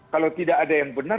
kalau tidak ada yang benar